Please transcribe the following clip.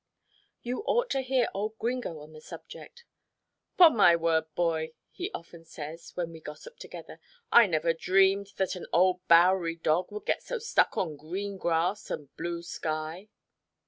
You ought to hear old Gringo on the subject. "'Pon my word, Boy," he often says when we gossip together, "I never dreamed that an old Bowery dog would get so stuck on green grass and blue sky."